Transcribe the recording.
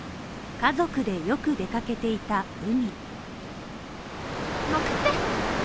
家族でよく出かけていた海。